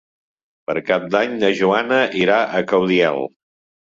Per Cap d'Any na Joana irà a Caudiel.